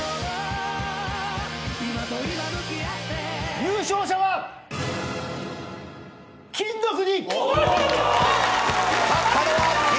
優勝者は金の国！